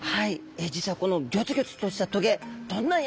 実はこのギョツギョツとしたトゲどんな役割があると思いますか？